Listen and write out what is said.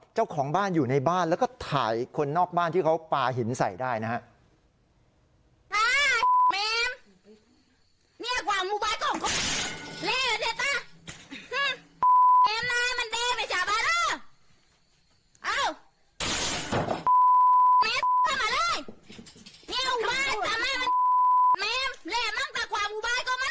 เจ้าของบ้านอยู่ในบ้านแล้วก็ถ่ายคนนอกบ้านที่เขาปลาหินใส่ได้นะครับ